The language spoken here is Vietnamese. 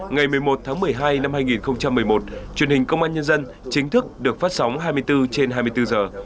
ngày một mươi một tháng một mươi hai năm hai nghìn một mươi một truyền hình công an nhân dân chính thức được phát sóng hai mươi bốn trên hai mươi bốn giờ